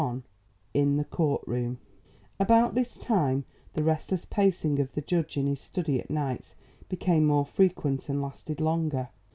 XXI IN THE COURT ROOM About this time, the restless pacing of the judge in his study at nights became more frequent and lasted longer.